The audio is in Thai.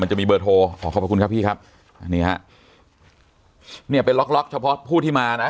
จะมีเบอร์โทรขอขอบพระคุณครับพี่ครับอ่านี่ฮะเนี่ยไปล็อกล็อกเฉพาะผู้ที่มานะ